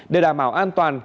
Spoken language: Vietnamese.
để đảm bảo an toàn